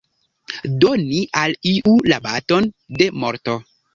Doni al iu la baton de morto.